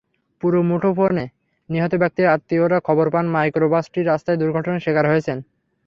পরে মুঠোফোনে নিহত ব্যক্তিদের আত্মীয়রা খবর পান মাইক্রোবাসটি রাস্তায় দুর্ঘটনার শিকার হয়েছেন।